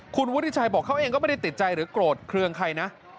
คุณวุฒิชัยบอกเขาเองก็ไม่ได้ติดใจหรือโกรธเครื่องใครนะ